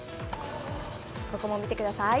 ここも見てください。